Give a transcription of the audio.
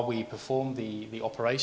sementara kami melakukan operasi